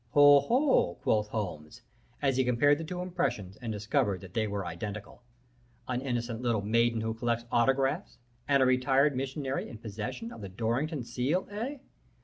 "'Ho! ho!' quoth Holmes, as he compared the two impressions and discovered that they were identical. 'An innocent little maiden who collects autographs, and a retired missionary in possession of the Dorrington seal, eh?